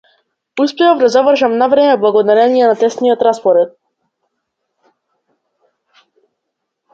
Успеав да завршам на време благодарение на тесниот распоред.